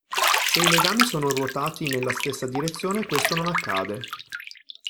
Se i legami sono ruotati nella stessa direzione, questo non accade.